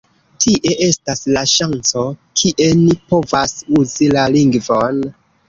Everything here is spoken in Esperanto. Tie estas la ŝanco, kie ni povas uzi la lingvon.